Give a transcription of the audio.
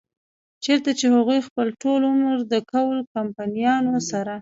چرته چې هغوي خپل ټول عمر د کول کمپنيانو سره